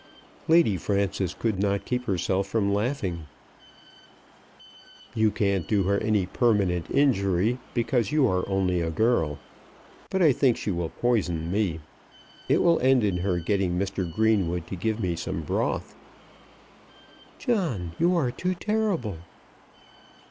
Lady Frances could not keep herself from laughing. "You can't do her any permanent injury, because you are only a girl; but I think she will poison me. It will end in her getting Mr. Greenwood to give me some broth." "John, you are too terrible."